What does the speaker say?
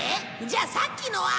じゃあさっきのは。